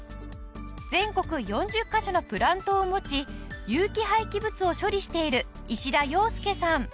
全国４０カ所のプラントを持ち有機廃棄物を処理している石田陽佑さん。